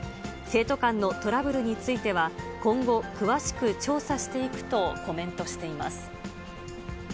生徒間のトラブルについては、今後、詳しく調査していくとコメントしています。